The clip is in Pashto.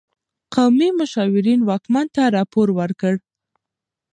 قومي مشاورین واکمن ته راپور ورکړ.